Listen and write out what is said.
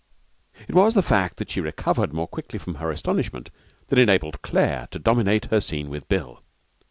It was the fact that she recovered more quickly from her astonishment that enabled Claire to dominate her scene with Bill.